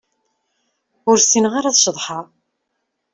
Ur ssineɣ ara ad ceḍḥeɣ.